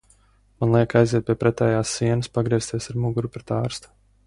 Man liek aiziet pie pretējās sienas, pagriezties ar muguru pret ārstu.